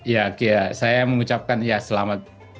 ya kia saya mengucapkan ya selamat